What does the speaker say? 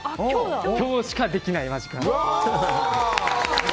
今日しかできないマジックです。